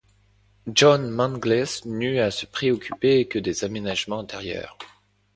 John Mangles n’eut à se préoccuper que des aménagements intérieurs.